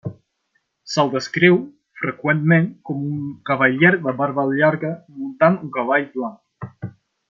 Se'l descriu freqüentment com un cavaller de barba llarga muntant un cavall blanc.